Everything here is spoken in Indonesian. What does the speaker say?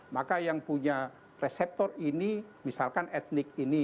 maka yang punya reseptor ini misalkan etnik ini